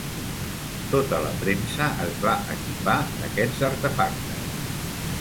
Tota la premsa es va equipar d'aquests artefactes.